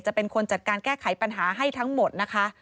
เป็นคนจัดการแก้ไขปัญหาให้ทั้งหมดนะคะ